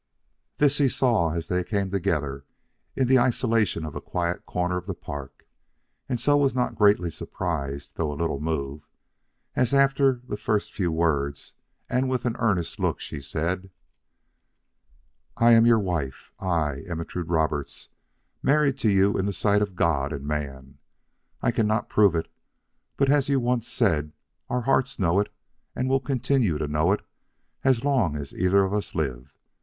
This he saw as they came together in the isolation of a quiet corner of the Park, and so was not greatly surprised, though a little moved, as after the first few words, and with an earnest look, she said: "I am your wife, I, Ermentrude Roberts, married to you in the sight of God and man. I cannot prove it, but as you once said, our hearts know it and will continue to know it as long as either of us lives.